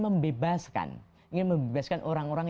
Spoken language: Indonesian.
membebaskan ingin membebaskan orang orang